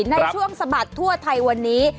ในช่วงสะบัดทั่วไทยวันนี้